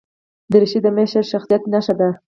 دریشي د مشر شخصیت نښه ده.